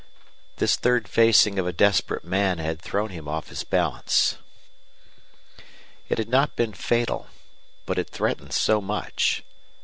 This third facing of a desperate man had thrown him off his balance. It had not been fatal, but it threatened so much.